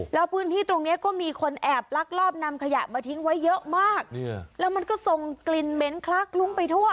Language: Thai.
แล้วพื้นที่ตรงนี้ก็มีคนแอบลักลอบนำขยะมาทิ้งไว้เยอะมากแล้วมันก็ส่งกลิ่นเหม็นคลักลุ้งไปทั่ว